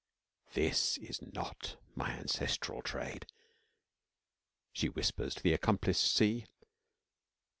'This is not my ancestral trade,' she whispers to the accomplice sea.